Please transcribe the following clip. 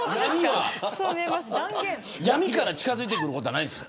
闇から近づいてくることはないんです。